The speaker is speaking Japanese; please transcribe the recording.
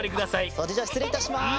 それじゃあしつれいいたします。